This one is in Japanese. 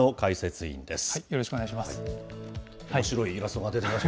よろしくお願いします。